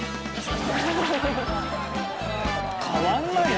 変わんないね！